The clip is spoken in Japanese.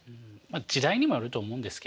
まあ時代にもよると思うんですけどね。